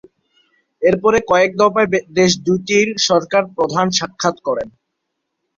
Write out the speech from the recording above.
এরপরে কয়েকদফায় দেশ দুইটির সরকার প্রধান সাক্ষাৎ করেন।